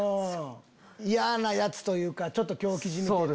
嫌なヤツというかちょっと狂気じみてる。